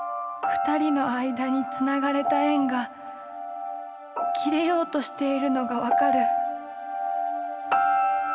二人の間につながれた縁が切れようとしているのが分かる。